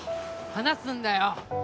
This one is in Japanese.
話すんだよ！